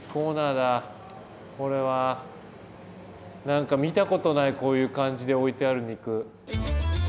何か見たことないこういう感じで置いてある肉。